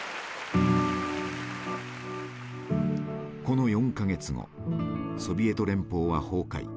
この４か月後ソビエト連邦は崩壊。